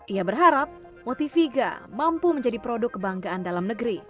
ia berharap motiviga mampu menjadi produk kebanggaan dalam negeri